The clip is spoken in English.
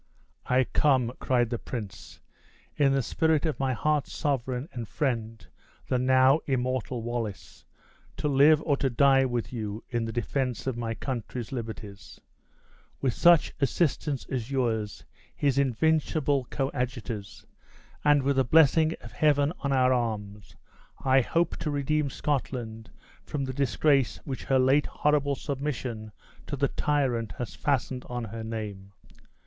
"I come," cried the prince, "in the spirit of my heart's sovereign and friend, the now immortal Wallace, to live or to die with you in the defense of my country's liberties. With such assistance as yours, his invincible coadjutors, and with the blessing of Heaven on our arms, I hope to redeem Scotland from the disgrace which her late horrible submission to the tyrant has fastened on her name.